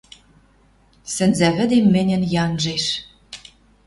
Сӹнзӓвӹдем мӹньӹн янжеш...